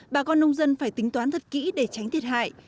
bà con nông dân phải tính toán thật kỹ để tránh thiệt hại